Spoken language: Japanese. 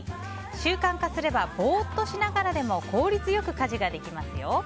習慣化すればボーっとしながらでも効率良く家事ができますよ。